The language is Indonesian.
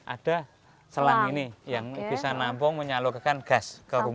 ada selang ini yang bisa nampung menyalurkan gas ke rumah